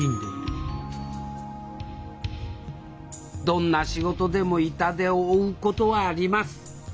どんな仕事でも痛手を負うことはあります。